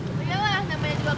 udah lah sampai dua gratis pak